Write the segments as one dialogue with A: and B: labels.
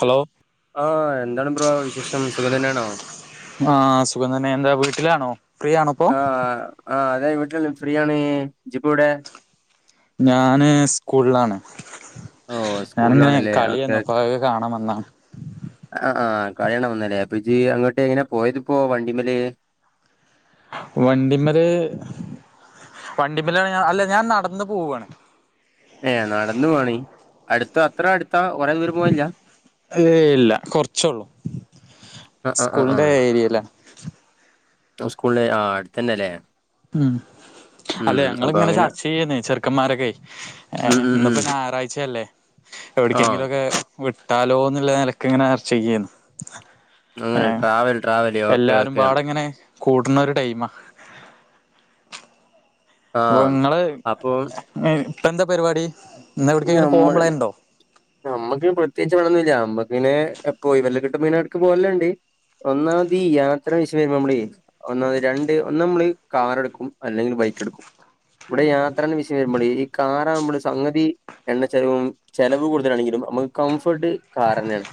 A: Hello
B: ആഹ് എന്താണ് bro വിശേഷം സുഖം തന്നെയണോ?
A: ട്ട്ലാണോ?
B: ആഹ് ആഹ് അതെ വീട്ടിൽ നി ഫ്രീയാണ് ജി പ്പൊവ്ടെ?
A: ഞാന് സ്കൂളിലാണ്.
B: ഓഹ്
A: ഞാനിങ്ങനെ
B: സ്കൂളിലാണല്ലേ ഓക്കെ
A: കളിയേന്ന് അപ്പൊ അത് കാണാൻ വന്നാണ്.
B: [unintelligible] വന്ന് ലേ അപ്പ ജി അങ്ങട്ട് എങ്ങനെ പോയതിപ്പോ വണ്ടിമല്
A: വണ്ടിമ്മര് വണ്ടിമ്മലാണ് ഞാൻ അല്ല ഞാൻ നടന്ന് പോവാണ്
B: ഏഹ് നടന്നു പോവാണി. അടുത്താ അത്ര അട്
A: ഏയ് ല്ല കൊർച്ചൊള്ളൂ.
B: ആഹ് ആഹ് ആഹ്
A: സ്കൂളിന്റെ ഏരിയേലാ
B: സ്കൂൾലേ ആഹ് അടുത്തന്നെ ലേ.
A: ഉം അല്ലെ ഞങ്ങളിങ്ങനെ
B: അങ്ങനെ
A: ചർച്ച ചെയ്യ്നേ ചെറുക്കന്മാരൊക്കെ.
B: ഉം
A: ഏഹ്
B: ഉം
A: ഇന്ന്
B: ഉം
A: പ്പോ ഞായറാഴ്ചയല്ലേ.
B: ആഹ്
A: എവിടക്കെങ്കിലും ഒക്കെ വിട്ടാലോന്ന് ല്ല നെലക്ക് ഇങ്ങനെ ചർച്ചെയ്യേന്നു.
B: അങ്ങനെ
A: ഏഹ്
B: ട്രാവൽ ട്രാവല് ഓക്കെ ഓക്കെ
A: എല്ലാരുംപാടെങ്ങനെ കൂട്ണ ഒരു ടൈമാ. അപ്പൊ
B: ആഹ്
A: ഇങ്ങള്
B: അപ്പൊ
A: [unintelligible] ഇപ്പ എന്താ പരിപാടി? ഇന്ന് എവിടക്കെങ്കിലും പോവാൻ
B: ഞമ്മൾ
A: പ്ലാൻ ഉണ്ടോ
B: നമ്മക്കി പ്രത്യേകിച്ച് പണി ഒന്നും ഇല്ല പിന്നെ എപ്പോ ഒഴിവ് അല്ലെ കെട്ടും മീനാട്ട്ക്ക് പോവെൽ ഇണ്ട് ഒന്നാമത് ഈ യാത്ര വിഷയം വെരുമ്പം നമ്മളെ ഒന്നാമത് രണ്ട് ഒന്ന് അമ്മൾ കാർ എട്ക്കും അല്ലെങ്കിൽ ബൈക്ക് എട്ക്കും ഇവിടെ യാത്ര എന്ന വിഷയം വെരുമ്പളെ ഈ കാറാ ആവുമ്പെൾ സംഗതി എണ്ണ ചെലവും ചെലവ് കൂടുതലാണെങ്കിലും അമ്മക്ക് കംഫോർട്ട് കാറെന്നെയാണ്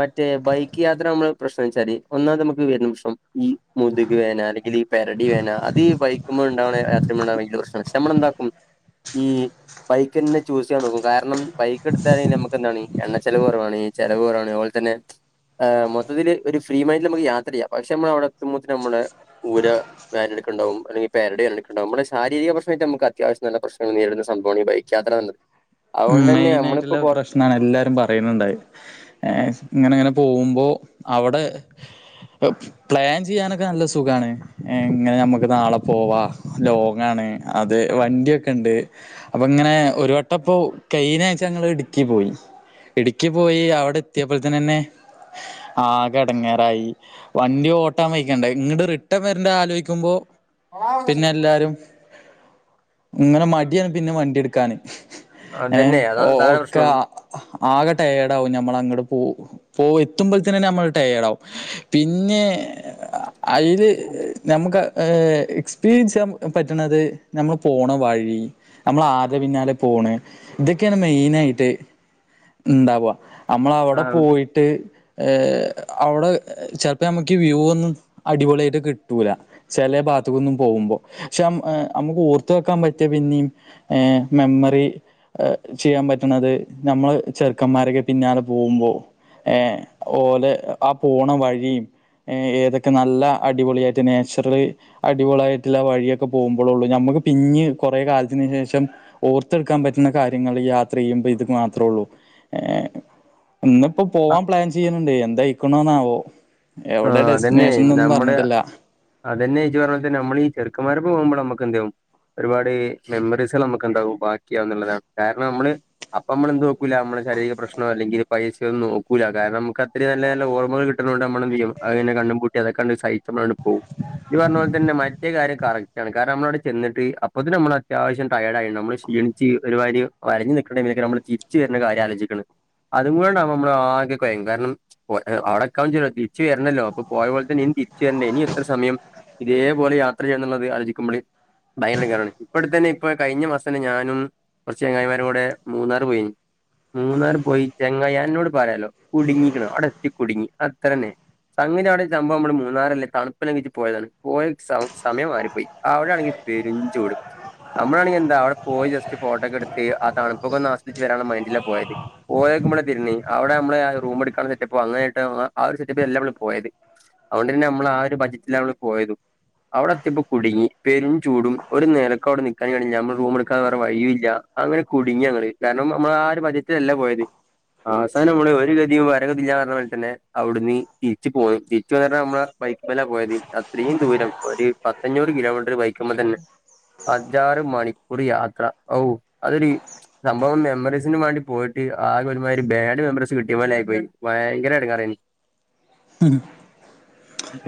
B: മറ്റേ ബൈക്ക് യാത്ര ആവുമ്പയിള്ള പ്രശ്നംന്നെച്ചാല് ഒന്നാമത് നമുക്ക് വെരുന്ന പ്രശ്നം ഈ മുത്ക് വേന അല്ലെങ്കിൽ പെരടി വേദന അത് ഈ ബൈക്ക്മ്മെ ഇണ്ടാവ്ണ എ ഏറ്റവും ബടാ ഭയക്കര പ്രശ്നാണെ ക്ഷെ നമ്മൾ എന്താക്കും ഈ ബൈക്കെന്നെ ചൂസ് ചെയ്യാൻ നോക്കും കാരണം ബൈക്ക് ഇട്ത്താലെ നമ്മെക്ക് എന്താണ് എണ്ണ ചെലെവ് കൊറവാണ് ചെലെവ് കൊറവാണ് അയ് പോലെ തന്നെ ഏ മൊത്തിത്തില് ഒര് ഫ്രീ മൈന്റിൽ നമ്മെക്ക് യാത്ര ചെയ്യാ പക്ഷെ നമ്മൾ അയുടെ എത്തുമ്പോത്തിൻ നമ്മളെ ഊര വേനട്ക്ക്ണ്ടാവും അല്ലെങ്കി പെരെഡി വേനട്ക്ക് ഇണ്ടാവും നമ്മ്ടെ ശാരിരിക പ്രശ്നായിട്ട് നമ്മക്ക് അത്യാവശ്യം നല്ല പ്രശ്നങ്ങൾ നേരിട്ന്ന സംഭവാണ് ഈ ബൈക്ക് യാത്ര എന്നത്
A: ഉം
B: അതുകൊണ്ട് തന്നെ
A: മെയിൻ
B: നമ്മളിപ്പോ
A: ആയ്ട്ട്ള്ള
B: പൊ
A: പ്രശ്നാണ് അയ് എല്ലാരും പറയിന്ന് ഇണ്ടായിനി ഏ ഇങ്ങനെ ഇങ്ങനെ പോകുമ്പോ അവ്ടെ ഹ് പ്ലാൻ ചെയ്യാനൊക്കെ നല്ല സുഖാണ് ഇങ്ങനെ നമ്മക്ക് നാളെ പോവാ ലോങ്ങാണ് അത് വണ്ടിയൊക്കെ ഇണ്ട് അപ്പ ഇങ്ങനെ ഒര് വട്ടം ഇപ്പോ കെയ്ഞ്ഞ ആഴ്ച്ച ഞങ്ങൾ ഇട്ക്കി പോയി. ഇട്ക്കി പോയി അയുടെ എത്തെപ്പോയ്ത്തിനെന്നെ ആകെ എടങ്ങേറായി വണ്ടി ഓട്ടാൻ വെഴിക്കെണ്ടെ ഇങ്ങട്ട് റിട്ടെൺ വെര്ണ്ടെ ആലോയിക്കുമ്പോ പിന്നെ എല്ലാരും ഇങ്ങനെ മടിയാണ് പിന്നെ വണ്ടി ഇട്ക്കാന് ഏ
B: അതന്നെ അതാ അതാണ്
A: ഓക്കാ
B: പ്രശ്നം
A: ആകെ ടെയെഡ് ആവും ഞമ്മൾ അങ്ങെട് പോ പോ എത്തുമ്പെയ്ത്തിനെന്നെ നമ്മൾ ടയെഡാവും പിന്നെ അയിൽ ഞമ്മക്ക് അയ് ഏ എ എക്സ്പീരിയെൻസ് ചെയ്യാൻ പറ്റ്ണെത് നമ്മൾ പോണ വഴി നമ്മൾ ആരുടെ പിന്നാലെ പോണെ ഇതൊക്കെയാണ് മെയിന് ആയിട്ട് ഇണ്ടാവാ നമ്മള
B: ആ
A: അവിടെ പോയിട്ട്. ഏ അവ്ടെ ചെൽപ്പോ മ്മക്ക് വ്യൂ ഒന്നും അടിപൊളിയായിട്ട് കിട്ടൂല. ചെല ഭാത്ത്ക്കൊന്നും പോകുമ്പോ പക്ഷെ നമുക്ക് ഓർത്ത് വെക്കാൻ പറ്റിയ പിന്നിം മെമ്മറി ചെയ്യാൻ പറ്റ്ണത് നമ്മള് ചെറുക്കന്മാരൊക്കെ പിന്നാലെ പോവുമ്പോ ഏ ഓലെ ആ പോണ വഴിം ഏ ഏതൊക്കെ നല്ല അടിപൊളിയായിട്ട് നാച്ചുറൽ അടിപൊളിയ ആയിട്ടുള്ള വഴിയൊക്കെ പോവുമ്പോളുള്ളൂ നമുക്ക് പിഞ്ഞ് കൊറെേ കാലത്തിന് ശേഷം ഓർത്തെടുക്കാൻ പറ്റ ന്ന കാര്യങ്ങള് യാത്രയ്യുമ്പോ ഇത് മാത്രേ ഉള്ളൂ. ഇന്ന്പ്പോ പോവാൻ പ്ലാൻ ചെയ്യ് ണ് ണ്ട് എന്തായി ക്ക്ണ്ന്നാവോ?
B: ആഹ അതെന്നെ നമ്മള് അതെന്നെ ജ്ജ് പർഞ്ഞാര്ക്ക് നമ്മളീ ഈ ചെറുക്കന്മാര പോവ്മ്പോള് നമ്മക്ക് എന്താവും ഒരുപാട് മെമ്മറീസള് നമുക്കെന്താ വും ബാക്കിയാവുന്ന് ള്ളത കാരണം നമ്മള് അപ്പ നമ്മള എന്ത് നോക്കൂല മ്മടെ ശരീരിക പ്രശ്നോ അല്ലെങ്കിൽ പൈസയൊന്നും നോക്കൂല്ല കാരണം നമുക്ക് അത്രയും നല്ല നല്ല ഓർമ്മകൾ കിട്ട്ണോണ്ട് നമ്മള് എന്ത് ചെയ്യും അഅ് ങ്ങനെ കണ്ണും പൂട്ടി അതൊക്കാണ്ട് സഹിച്ച് പോവും. ഇജ് പർഞ്ഞ പോൽ തന്നെ മ മറ്റേ കാര്യം കറക്റ്റാണ്. കാരണം അ മ്മള് അവ്ടെ ചെന്നിട്ട് അപ്പോത്തിന് നമ്മൾ അത്യാവശ്യം ടയേർഡായിണ്ടാവും. മ്മള് ക്ഷീണിച്ച് ഒരു മാരി വലഞ്ഞ് നിക്ക്ണേക്കാക്കാരം ക്ക നമ്മള് ചി ര്ച്ച് വര്ണ കാര്യം ആലോചിക്ക്ണേ. അതും കൂടിയാണ്ട് ആവുമ്പോ നമ്മൾ ആകെകൊയ്ങ്ങും. കാരണം അവ്ടക്കാജ്ജൂല ച്ച് വര്ണല്ലോ അപ്പൊ പോയ പോലെ തന്നെ ഇനി തിരിച്ചു വര് ണ്ടേ ഇനി എത്ര സമയം ഇതേപോലെ യാത്ര ചെയ്യന്നുള്ളത് ആലോചിക്കുമ്പൊളി [unintelligible] ഇപ്പടെത്തന്നെ ഇപ്പൊ കഴിഞ്ഞ മാസം ന്നെ ഞാനും കൊർച്ച് ചെങ്ങായിമാരും കൂടെ മൂന്നാറ് പോയിനി. മൂന്നാറ് പോയി ചങ്ങായെ അന്നോട് പറാലോ കുടുങ്ങിക്ക്ണ് അവ്ടെ എത്തി കുടുങ്ങി അത്രന്നെ. സംഗതി അവ്ടെ രു സംഭവം നമ്മള് മൂന്നാറല്ലേ തണുപ്പല്ലെ വിച്ച് പോയതാണ്. പോയ സം സമയം മാറിപ്പോയി അവിടെ ആണെങ്കി പെരും ചൂട്. അമ്മളാണെങ്കി എന്താ അവിടെ പോയി ജസ്റ്റ് ഫോട്ടോക്കെ എടുത്ത് ആ തണുപ്പൊക്കെന്ന് ആസ്വദിച്ച് വരാൻള്ള മൈൻഡില പോയത്. പോയോക്കുമ്പളാ തിര്ന്ന്. അവ്ടമ്മള് ആ റൂം എട്ക്കാള്ള സെറ്റപ്പോ അങ്ങനെയിട്ട ആ തപ്പോ എല്ല മ്മള് പോയത്. അതുകൊണ്ട് പിന്നെ അമ്മള് ആ ഒരു ബജറ്റിലാള് പോയതും. അവ്ടെ എത്തിയപ്പോ കുടുങ്ങി പെരും ചൂടും ഒരു നെലക്കെ അവ്ടെ നിക്കാൻ കയ് ണില്ല. അമ്മള് റൂം എടുക്കാതെ വേറെ വഴില്ല. അങ്ങനെ കുടുങ്ങി ഞങ്ങള് കാരണം നമ്മ ആ ഒരു ബജറ്റിലല്ല പോയത്. അവസാനം നമ്മള് ഒരു ഗതിയും പരഗതില്ലാർഞ്ഞ മാതി തന്നെ അവ് ടുന്ന് തിരിച്ചു പോന്ന് തിരിച്ച് വരാ അമ്മള ബൈക്ക്മ്മലാ പോയത്. അത്രയും ദൂരം ഒരു പത്തഞ്ഞൂറ് കിലോമീറ്ററ് ബൈക്ക്മ്മ തന്നെ. അഞ്ചാറ് മണിക്കൂറ് യാത്ര. ഔ അതൊരു സംഭവം മെമ്മറീസിന് വാണ്ടി പോയിട്ട് ആകെ ഒരു മാതിരി ബാഡ് മെമ്മറീസ് കിട്ടിയ പോലെ ആയി പോയി. ഭയങ്കര എടങ്ങേറെനി.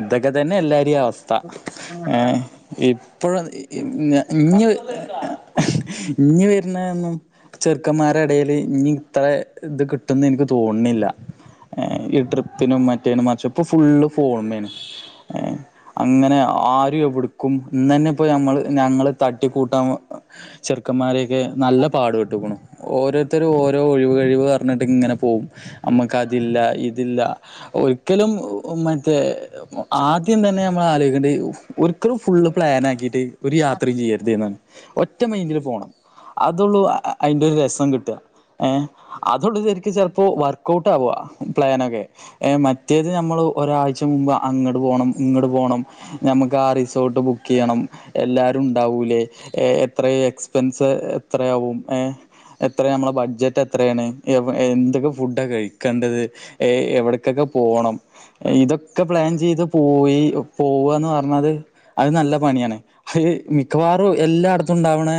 A: ഇതൊക്കെ തന്നെ എല്ലാരിം അവസ് ത്ത ഏ ഇ ഇപ്പോഴാ ന്ന് ഇഇ ഇഞ്ഞ് ഇഞ്ഞ് വരുന്നന്നും ചെറുക്കന്മാരെ എടേല് ഇഞ്ഞ് ഇത്ര ഇത് കിട്ടും ന്ന് ഇൻക്ക് തോണ്ണില്ല. ഈ ട്രിപ്പിനും മ റ്റേണ് മർച്ചപ്പോ ഫുള്ള് ഫോണ്മ്മെ ആണ്. അങ്ങനെ ആരും എവ് ടുക്കും ഇന്നന്നെ ഇപ്പോ ഞമ്മള് ഞങ്ങള് തട്ടിക്കൂട്ടാൻ ചെറുക്കന്മാരൊക്കെ നല്ല പാടു പെട്ടു ക്ക്ണു. ഓരോര്ത്തരും ഓരോ ഒഴിവ് കഴിവ് അർഞ്ഞിട്ട് ഇങ്ങനെ പോവും. അമ്മക്ക് അതില്ല ഇതില്ല. ഓ രിക്കലും മറ്റേ ആദ്യം തന്നെ നമ്മള് ആലോയ്ക്കേണ്ടിയെ ഒരിക്കലും ഫുള്ള് പ്ലാനാക്കിട്ട് ഒരു യാത്രയും ചെയ്യര്ത് എന്നാണ്. ഒറ്റ മൈൻഡില് പോണം അതോള്ളൂ അയിന്റെ ഒരു രസം കിട്ടാ ഏ അതൊള്ളൂ ശര്ക്ക് ചെൽപ്പോ വർക്ക് ഔട്ട് ആവാ. പ്ലാനൊക്കെ ഏ മ റ്റെത് നമ്മൾ ഒരാഴ്ച മുമ്പ് അങ്ങട് പോണം ഇങ്ങട് പോണം നമ്മക്ക് ആ റിസോർട്ട് ബുക്കയ്യണം എല്ലാരും ഉണ്ടാവൂലേ എത്ര എക്സ്പെൻസ് എത്രയാവും ഏ എത്ര നമ്മളെ ബഡ്ജറ്റ് എത്രയാണ് എന്തൊക്കെ ഫുഡാ കഴിക്കേണ്ടത്ഏ എവിടക്കൊക്കെ ഓണം ഇതൊക്കെ പ്ലാൻ ചെയ്ത് പോയി പോവാന്ന് പറഞ്ഞത് അത് നല്ല പണിയാണ് അയില് മിക്കവാറും എല്ലാടത്തുണ്ടാ വണേ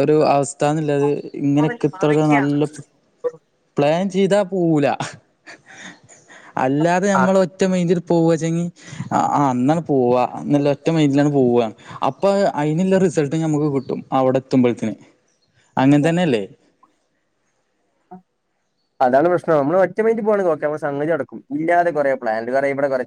A: ഒരു അവസ്ഥന്നില്ലത്ഇങ്ങെനെക്ത്താകാ നല്ല പ്ലാ ചിത പൂല അല്ലാതെ നമ്മൾ ഒറ്റ മെയ്ന്റ പോവചെങ്ങി അ അന്ന പോവാ അന്ന്ല്ല ഒറ്റ മൈന്റ്റിലാണ്ട് പോവ അപ്പ അയിനില്ല റിസൾട്ട് നമുക്ക് കിട്ടും അവിടെ എത്തുമ്പഴത്തിന് അങ്ങൻ തന്നെല്ലേ
B: അതാണ് പ്രശ്നം നമ്മള് ഒറ്റ മൈന്റ്റ്റ് പോകാണങ്കി ഒക്കെ നമ്മെളെ സംഗതി നടക്കും ഇല്ലാതെ കുറെ പ്ലാൻറ ഇവിടെ കൊറ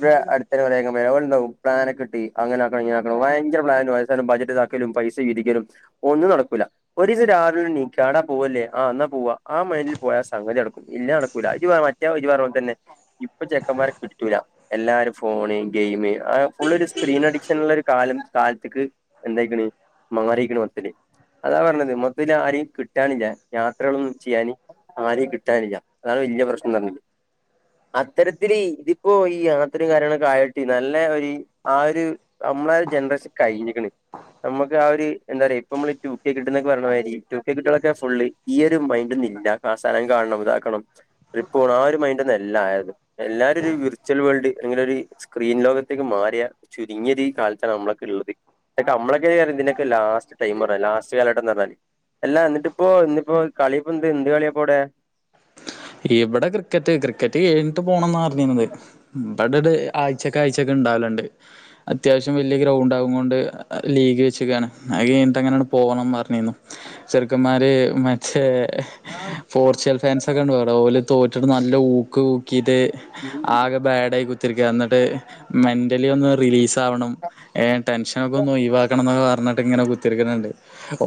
B: ഇടെ അടുത്തറെണ്ടും പ്ലാൻ ഒക്കെ ഇട്ട് അങ്ങനെക്കണം ഇങ്ങനാക്കണം ഭയങ്കര പ്ലാന്ല് അവസാനം ബഡ്ജറ്റ് താക്കലും പൈസ വിതിക്കലും ഒന്നും നടക്കൂല്ല ഒരീസം രാവിലെ നീ കോടാ പോകല്ലേ ആ ന്നാ പോവാ ആ മൈൻഡിൽ പോയ സംഗതി നടക്കും ഇല്ലേ നടക്കുല്ല അഹ് ജ് മറ്റെ ഇജ് പറഞ്ഞോലേത്തന്നെ തന്നെ ഇപ്പൊ ചെക്കന്മാരെ കിട്ടൂല്ല എല്ലാരും ഫോണ് ഗെയിമ് ആ ഫുള്ളോരു സ്ക്രീൻ എഡിക്ഷൻള്ളരു കാലൻ കാലത്ത്ക്ക് എന്തായിക്ക്ണ് മാറിക്ക്ണ് മൊത്തത്തില് അതാ പറഞ്ഞത് മൊത്തത്തില് ആരേം കിട്ടാനില്ല യാത്രകളൊന്നും ചെയ്യാന് ആരേം കിട്ടാനില്ല അതാണ് വല്യ പ്രശ്നം തന്നത് അത്തരത്തില് ഇതിപ്പോ ഈ യാത്രയും കാര്യങ്ങളൊക്കെ ആയിട്ട് നല്ല ഒരു ആ ഒരു നമ്മള ജനറേഷൻ കഴിഞ്ഞിക്ക്ണ് നമുക്ക് ആ ഒരു എന്താ പറയാ ഇപ്പ നമ്മള് ടുകെ കിട്ട്നോക്കെ പറിണമാതിരി ടു കെ കിട്ട്കളൊക്കെ ഫുള്ള് ഈ ഒരു മൈൻഡ് ഒന്ന ഇ കാ [unintelligible] ആ സ്ഥലം കാണണം ഇതാക്കണം ണം ആ ഒരു മൈൻഡ് ഒന്നല്ല ആരുന്നു എല്ലാവരും ഒരു വിർച്ൽ വേൾഡ് അല്ലെങ്കിൽ ഒരു സ്ക്രീൻ ലോകത്തേക്ക് മാറിയ ചുരുങ്ങിയ ഒരു ഈ കാലത്താണ് നമ്മളൊക്കെ ഉള്ളത് അതക്കെ നമ്മളൊക്കെ ഇതിനൊക്കെ ലാസ്റ്റ് ടൈം പറഞ്ഞ ലാസ്റ്റ് കാലഘട്ടം എന്ന് പറഞ്ഞാല് അല്ല എന്നിട്ടിപ്പോ ഇ ഇപ്പൊ കളിപ്പന്ത് എന്ത് കളിയാപ്പാടെ
A: ഇവിടെ ക്രിക്കറ്റ് ക്രിക്കറ്റ് കഴിഞ്ഞിട്ട് പോണംന്നാ പറഞ്ഞിനത് ഇബടെര് ആഴ്ചക്കെ ആഴ്ചൊക്കെ ഇണ്ടാവലണ്ട് അത്യാവശ്യം വലിയ ഗ്രൗണ്ടാകുംകൊണ്ട് ലീഗ് വെച്ചക്കാണ് അഹ് കഴിഞ്ഞിട്ട് അങ്ങനെണ്ട് പോവണം പറഞ്ഞിനു ചെർക്കന്മാര് മറ്റേ പോർച്ചുഗൽ ഫാൻസ് ഒക്കെണ്ട് ഓല് തോറ്റിട്ട് ന ല്ല ഊക്ക് ഊക്കിറ്റ് ആകെ ബാടായി കു [unintelligible] എന്നിട്ട് മെന്റലി ഒന്ന് റിലീസ് ത്താവണം ഏ ടെൻഷനൊക്കെ ഒന്ന് ഒവാക്കണം എന്നക്കെ പ എന്നിട്ട് ഇങ്ങനെ കുത്തിരിക്ക്ന്ണ്ട്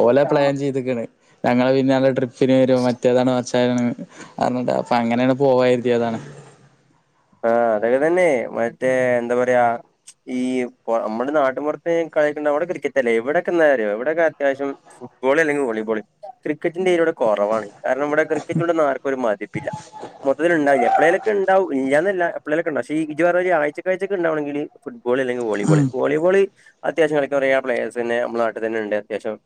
A: ഓലേ പ്ലാൻ ചെയ്ത്ക്ണ് ഞങ്ങള് പിന്നാലെ ട്രി ശനി വേരോ മറ്റേതാണ് [unintelligible] അഞ്ഞട്ടാ അപ്പൊ അങ്ങനെയാണ്ട് പോവാര
B: ആ അതൊക്കെ തന്നെ മറ്റേ എന്താ പറയാ ഈ നമ്മുടെ നാട്ടിൻപോറ്ത്ത് കളിക്കുന്ന അവിടെ ക്രിക്കറ്റല്ലേ ഇവിടോക്കെ എന്താന്നറിയോ ഇവിടൊക്കെ അത്യാവശ്യം ഫുട്ബോള് അല്ലെങ്കി വോളിബോള് ക്രിക്കിന്റെറെ വിടെ കൊറവാണ് കാരണം ഇവിടെ ക്രിക്കറ്റോണ്ടൊന്നും ആർക്കും ഒരു മതിപ്പില്ല മൊത്തത്തില് ഇണ്ടായിനി എപ്പളെങ്കിലും ഉണ്ടാവും ഞാൻനില്ല എപ്പേളെങ്കിലൊക്കെ ഇണ്ടാവും പക്ഷെ ഇജ് പറഞ്ഞാതിരി ആഴ്ചക്കാഴ്ച്ചക് ഇണ്ടാക്കാണങ്കില് ഗോളിയാല്ലങ്കി വോളിബോള് വോളിബോള് അത്യാവശ്യം കളിക്കാറിയാവുന്ന പ്ലേയേഴ്സ് തന്നെ നമ്മള നാട്ട് തന്നെണ്ട് അത്യാവശ്യം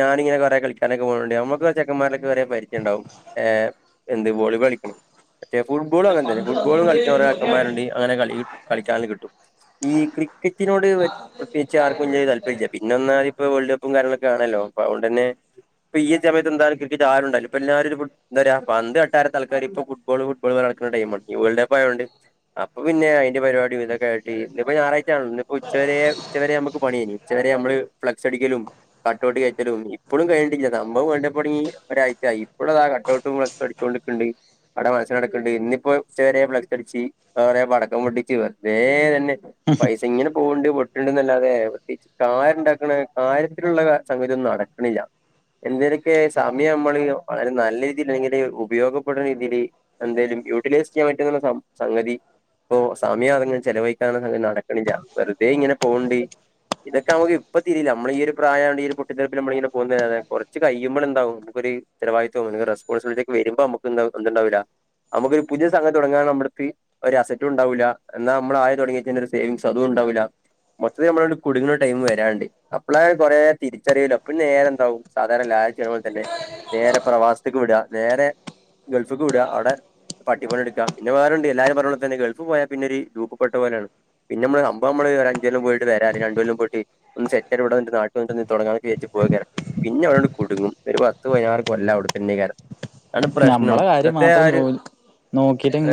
B: ഞാനിങ്ങനെ കൊറേ കളിക്കാനൊക്കെ പോണോണ്ട് ഞമ്മുക്ക് ചെക്കന്മാരൊക്കെ കൊറേ പരിചയണ്ടകും ഏ എന്ത് വോളിബോൾ കളിക്കണം ഫുട്ബോളും അങ്ങനെത്തന്നെ ഫു ട്ബോള് കളിക്കാൻ കൊറേ ചെക്കന്മാരുണ്ട് അങ്ങനെ കളി കി കളിക്കാനും കിട്ടും ഈ ക്രിക്കറ്റിനോട് പ്രത്യേകിച്ച് ആർക്കും വല്യ താല്പര്യല്ല പിന്നൊന്നാമത് പ്പൊ വേൾഡ് കപ്പും കാര്യങ്ങളൊക്കാണല്ലോ അതൊണ്ടെന്നെ ഇപ്പ ഈ ഒരു സമയത്ത് എന്താലും ക്രിക്കറ്റ് ആരും ഉണ്ടാവൂല പ്പൊല്ലാരും ഒരു ഫു എന്താറയാ പന്ത് തട്ടാത്ത ആൾക്കാര് ഇപ്പൊ ഫുട്ബോള് ഫുട്ബോള് പർഞ്ഞ് നടക്ക്ണ ടൈമാണ് ഈ വേൾഡ് കപ്പായോണ്ട് അപ്പൊ പിന്നെ അയ്ന്റെ പരിപാടിം ഇതൊക്കെയായിട്ട് ഇന്നിപ്പ ഞായറാ ച്ചാണല്ലോ ന്ന്പ്പോ ഉച്ചവരേ ഉച്ചവരെ നമുക്ക് പണിയെയ്നു ഉച്ചവരെ നമ്മള് ഫ്ലെക്സ് അടിക്കലും കാട്ടോട്ട് ക ക്കലും ഇപ്പളും കഴിഞ്ഞിട്ടില്ല സംഭവം വേൾഡ്കപ്പ് തൊടങ്ങി ഒരാഴ്ചായി ഇപ്പഴുംതാ കട്ടോട്ടും ഫ്ലെക്സും അടിച്ചോണ്ട്‌ക്ക്ണ്ട് അവിടെ മത്സരം നടക്ക്ണ്ട് ഇന്നിപ്പോ ഉച്ചരെ ഫ്ലക്സ് അടിച്ച് ന്താ പറയാ പടക്കം പൊട്ടിച്ചു വെർതേ തന്നെ പൈസ ഇങ്ങനെ പോവ്ണ്ട്‌ പൊട്ട്ണ്ട്‌ന്നല്ലാതെ പ്രത്യേകിച്ച് കാരുണ്ടാക്കണ കാര്യത്തിലുള്ള സംഗതിയൊന്നും നടക്കണില്ല എന്തേലൊക്കെ സമയം നമ്മള് വളരെ നല്ല രീതീല് എങ്ങനേലും ഉപയോഗപ്പെട്ണ രീതീല് എന്തേലും യൂട്ടിലൈസ് ചെയ്യാൻ പറ്റുന്ന സംഗതി ഇപ്പ സമിയം ആണെങ്കിലും ചെലവഴിക്കാതങ്ങനെ നടക്കണില്ല വെറുതേ ഇങ്ങെനെ പോക്ണ്ട് ഇതക്കെ നമുക്ക് ഇപ്പൊ തിരീല നമ്മള് ഈ ഒരു പ്രായംണ്ട് ഈ ഒരു കുട്ടിെർപ്പിൽ നമ്മളങ്ങെ പോകുന്നെ കുറച്ച് കഴിയുമ്പോഴ എന്താവും നമുക്ക ഒരുരു ചിലവാായിത്തവവും റെസ്പോൺസിബിലിറ്റി ഒക്കെ വരുമ്പോണ്ടാവില്ല നൊരു പുതിയ സംഗതി തുടങ്ങാന് നമ്മളടുക്ക് ഒരു അസറ്റും ഉണ്ടാവൂല്ല എന്നാൽ നമ്മൾ ആദ്യംതുടങ്ങിവച്ച ഒരു സേവിങ്സ് അതും ഉണ്ടാവില്ല മൊത്തത്തില് നമ്മളങ്ങട്ട് കുടുങ്ങുണ ടൈം വരാണ്ട് അപ്പളേ കൊറേ തിരിച്ചറിയല് അപ്പം നേരെ എന്താവും സാധാരണ ല്ലാരും ചെയ്യുമ്പോലെ തന്നെ നേരെ പ്രവാസ്ത്തക്ക് വിട നേരെ ഗൾഫ്ക്ക് വിട അവിടെ പട്ടി പണി എടുക്കാം പിന്നെ വേറണ്ട് എല്ലാരും പറഞ്ഞ പോലെ തന്നെ ഗൾഫ് പോയാ പിന്നെ ഒരു ലൂപ്പ്പ്പെട്ട പോലേണ് പിന്ന മ്മള് സംഭവംമ്മള് ഒരു അഞ്ചോല്ലം പോയ്ട്ട് വരാ അല്ലെങ്കി രണ്ടൊല്ലം പോയിട്ട് ഒന്ന് സെറ്റ് ആയ്ട്ട് ഇവിടെ നാട്ട്ല് വന്ന്ട്ടെന്തേലും തുടങ്ങാന്നൊക്കെ വിചാരിച്ച് പോയതെയ്ക്കാരം പിന്നെ അവിടങ്ങട്ട് കുടുങ്ങും ഒരു പത്ത് പയ്നാറ് കൊല്ലം അവിടുത്തന്നെയ്ക്കാരം
A: ഞമ്മളെ കാര്യം മാത്രം ജോലി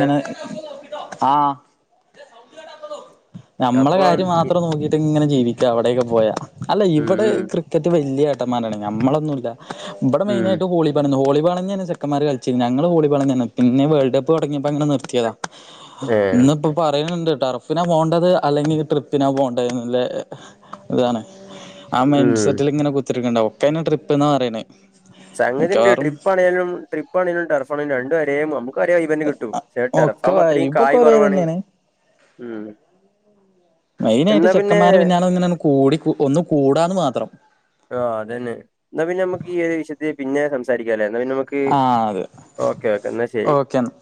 B: ഏഹ്
A: ആഹ് [inaudible] നമ്മളെ
B: അപ്പൊ
A: കാര്യം
B: ഇ-
A: മാത്രം നോക്കിയിട്ട് ഇങ്ങനെ ജീവിക്കും ഒക്കെ അവിടേക്ക് പോയാ അല്ല
B: ഉം
A: ഇവിടെ
B: ഉം
A: ക്രിക്കറ്റ് വല്യ മാരാണ് ഞമ്മളൊന്നുംല്ല ബ്ബടെ
B: ഉം
A: മെയിനായിട്ട് വോളി ബേന്ന് വോളി ളഞ്ഞ ക്കമാര് കളിച്ചീനിം ഞങ്ങള് വോളിബോൾ തന്നേണ് പിന്നെ വേൾഡ് കപ്പ് തുടങ്ങിയപ്പോ അങ്ങനെ നിർത്തിയതാ
B: ഏഹ്
A: ഇന്ന്പ്പോ പറയ്ണ്ണ്ട്‌ ടർഫിനാ പോണ്ടത് അല്ലെങ്കിൽ ട്രിപ്പിനാ പോണ്ടേന്ന്ല്ലെ താണ് ആ മൈൻഡ്
B: ഉം
A: സെറ്റില്ങ്ങനെ കുത്തര്ക്കുണ്ടാവും ഒക്കനും ട്രിപ്പ്ന്നാ പറയണേ
B: സംഘതിണ്ട്
A: മിക്കവാറും
B: ട്രിപ്പാണേലും ട്രിപ്പ് പ്പാണേലും ടർഫാണേലും ഒരേപോലെ [unintelligible] ക്കൊരേ വൈബന്നെ കിട്ടും
A: ഒക്കെ
B: ടർഫാകുമ്പോ അതത്രീം
A: വൈബൊക്കെ
B: കായ്
A: ഒരേ
B: കുറവാണ്
A: തന്നെയാണ്
B: മ്മ്
A: മെയിൻ ആയിട്ട്
B: എന്നാ പിന്നെ
A: ചെക്കന്മാര് പിന്നാലെ ഇങ്ങനെ കൂടി ഒന്ന് കൂടാന്ന് മാത്രം
B: ആ അതന്നെ എന്നാ പിന്നെ നമ്മക്ക് പിന്നെ സംസാരിക്കാല്ലേ
A: ആഹ അതെ
B: ഓക്കെ ഓക്കെ എന്നാ ശരി
A: ഓക്കേ എന്നാ